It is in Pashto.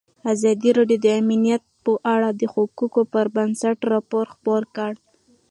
ازادي راډیو د امنیت په اړه د حقایقو پر بنسټ راپور خپور کړی.